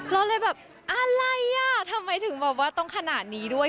เราเลยแบบอะไรอ่ะทำไมถึงแบบว่าต้องขนาดนี้ด้วย